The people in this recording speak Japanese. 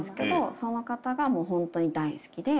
その方がもうホントに大好きで。